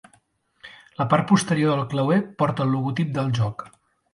La part posterior del clauer porta el logotip del joc.